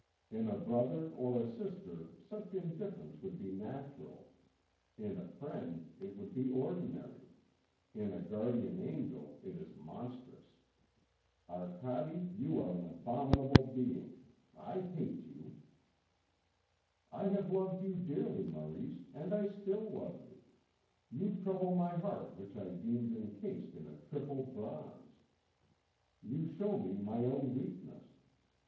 In a brother or a sister such indifference would be natural; in a friend it would be ordinary; in a guardian angel it is monstrous. Arcade, you are an abominable being. I hate you." "I have loved you dearly, Maurice, and I still love you. You trouble my heart which I deemed encased in triple bronze. You show me my own weakness.